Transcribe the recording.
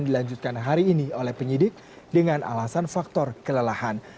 dilanjutkan hari ini oleh penyidik dengan alasan faktor kelelahan